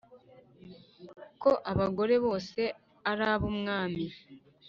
ko abagore bose arabumwami"